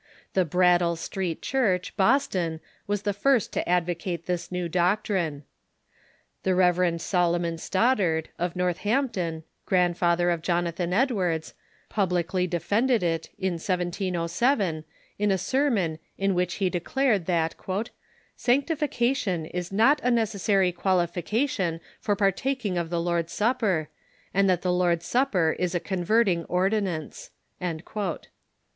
The Brattle Street Church, Boston, Avas the first to advocate this new doctrine. The Rev. Solomon Stoddard, of North ampton, grandfather of Jonathan Edwards, publicly defended r,i 482 THE CHUEOH IN THE UNITED STATES it, in 1707, in a sermon in which he declared that "sanctifica tion is not a necessary qualification for partaking of the Lord's Supper, and that the Lord's Supper is a converting ordinance."